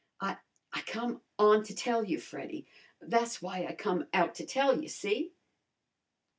"I I come on to tell you, Freddy. Tha's why I come out to tell you, see?"